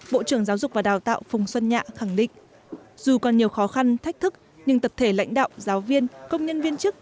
bộ trưởng giáo dục và đào tạo phùng xuân nhạ khẳng định dù còn nhiều khó khăn thách thức nhưng tập thể lãnh đạo giáo viên công nhân viên chức